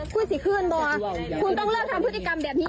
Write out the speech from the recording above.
คุยสิขึ้นบ่คุณต้องเลิกทำพฤติกรรมแบบนี้